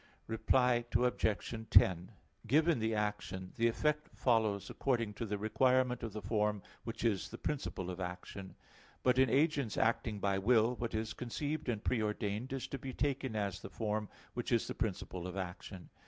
Reply Obj. 10: Given the action, the effect follows according to the requirement of the form, which is the principle of action. But in agents acting by will, what is conceived and preordained is to be taken as the form, which is the principle of action.